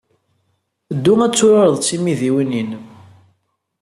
Ddu ad turared d tmidiwin-nnem.